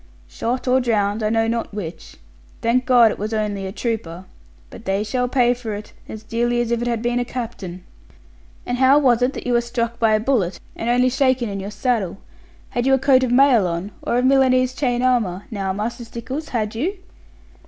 'Shot, or drowned; I know not which. Thank God it was only a trooper. But they shall pay for it, as dearly as if it had been a captain.' 'And how was it you were struck by a bullet, and only shaken in your saddle? Had you a coat of mail on, or of Milanese chain armour? Now, Master Stickles, had you?'